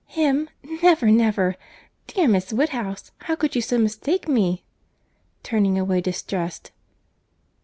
"Him!—never, never. Dear Miss Woodhouse, how could you so mistake me?" turning away distressed.